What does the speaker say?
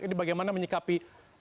ini bagaimana menyikapi